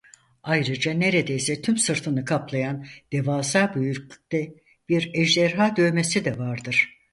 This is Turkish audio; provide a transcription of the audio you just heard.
Ayrıca neredeyse tüm sırtını kaplayan devasa büyüklükte bir ejderha dövmesi de vardır.